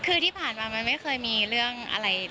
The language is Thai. คือที่ผ่านมามันไม่เคยมีเรื่องอะไร